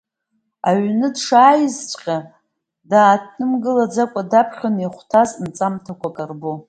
Аҩны дшааизҵәҟьа, дааҭымгылаӡакәа даԥхьон, иахәҭаз нҵамҭақәак арбо.